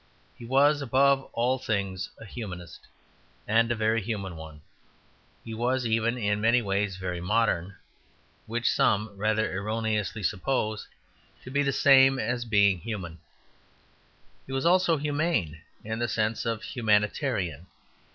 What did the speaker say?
He was above all things a Humanist and a very human one. He was even in many ways very modern, which some rather erroneously suppose to be the same as being human; he was also humane, in the sense of humanitarian.